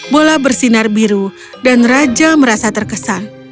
bola bersinar biru dan raja merasa terkesan